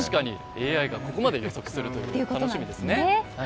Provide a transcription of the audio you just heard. ＡＩがここまで予測するの楽しみですね。